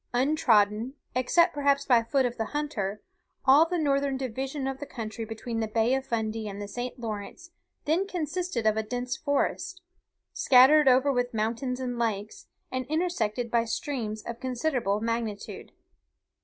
Untrodden, except perhaps by the foot of the hunter, all the northern division of the country between the Bay of Fundy and the St. Lawrence then consisted of a dense forest, scattered over with mountains and lakes, and intersected by streams of considerable magnitude.